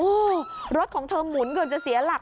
โอ้โหรถของเธอหมุนเกือบจะเสียหลัก